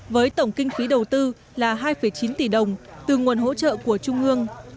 với tổng kinh phí đầu tư là hai chín tỷ đồng từ nguồn hỗ trợ của trung ương